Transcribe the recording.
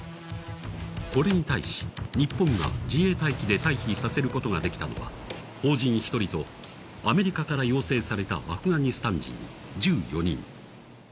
これに対し、日本が自衛隊機で退避させることができたのは邦人１人とアメリカから要請されたアフガニスタン人１４人。